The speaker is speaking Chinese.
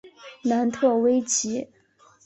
楠特威奇。